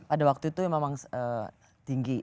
pada waktu itu memang tinggi